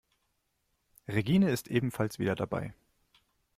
Regine ist ebenfalls wieder dabei.